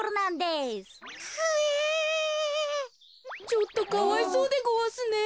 ちょっとかわいそうでごわすね。